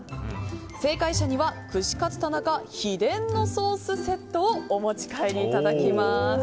正解者には串カツ田中秘伝のソースセットをお持ち帰りいただきます。